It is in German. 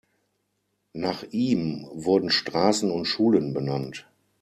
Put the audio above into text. Nach ihm wurden Straßen und Schulen benannt.